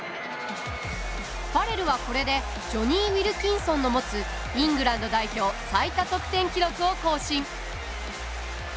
ファレルは、これでジョニー・ウィルキンソンの持つイングランド代表最多得点記録を更新。